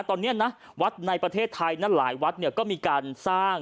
ตอนนี้นะวัดในประเทศไทยนั้นหลายวัดเนี่ยก็มีการสร้าง